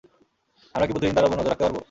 আমরা কি প্রতিদিন তার উপর নজর রাখতে পারব?